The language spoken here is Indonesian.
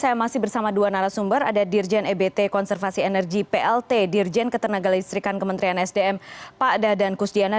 saya masih bersama dua narasumber ada dirjen ebt konservasi energi plt dirjen ketenaga listrikan kementerian sdm pak dadan kusdiana